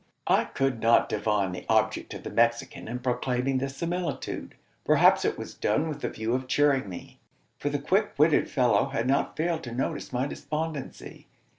I could not divine the object of the Mexican in proclaiming this similitude. Perhaps it was done with the view of cheering me for the quick witted fellow had not failed to notice my despondency.